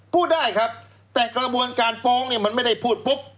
พูดได้ครับแต่กระบวนการฟ้องเนี่ยมันไม่ได้พูดปุ๊บ